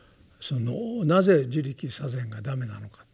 なぜ「自力作善」が駄目なのか。